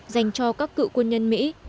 dành cho các cựu quân nhân mỹ